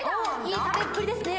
いい食べっぷりですね。